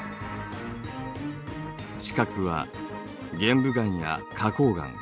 地殻は玄武岩や花こう岩。